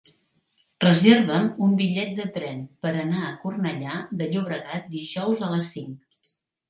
Reserva'm un bitllet de tren per anar a Cornellà de Llobregat dijous a les cinc.